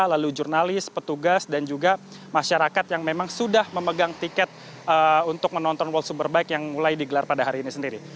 lalu jurnalis petugas dan juga masyarakat yang memang sudah memegang tiket untuk menonton world superbike yang mulai digelar pada hari ini sendiri